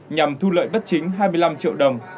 nhằm thu lợi bất chính hai mươi năm triệu đồng